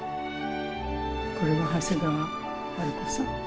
これが長谷川春子さん。